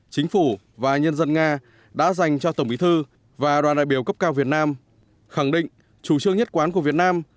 chính phủ và nhân dân nga đã dành cho tổng bí thư và đoàn đại biểu cấp cao việt nam khẳng định chủ trương nhất quán của việt nam